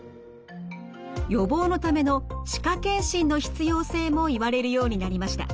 予防のための歯科健診の必要性も言われるようになりました。